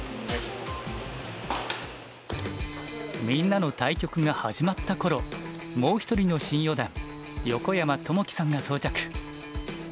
みんなの対局が始まった頃もう一人の新四段横山友紀さんが到着。